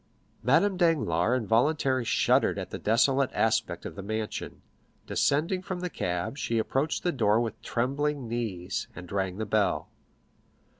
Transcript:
Madame Danglars involuntarily shuddered at the desolate aspect of the mansion; descending from the cab, she approached the door with trembling knees, and rang the bell.